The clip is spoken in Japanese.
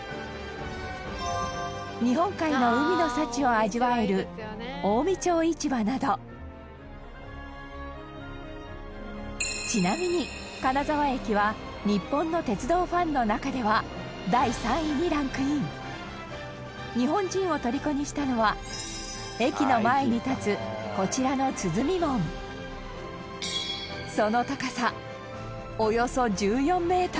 日本海の海の幸を味わえる近江町市場などちなみに、金沢駅は日本の鉄道ファンの中では第３位にランクイン日本人を虜にしたのは駅の前に立つ、こちらの鼓門その高さ、およそ１４ｍ